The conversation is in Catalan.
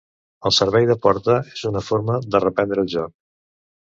El servei de porta és una forma de reprendre el joc.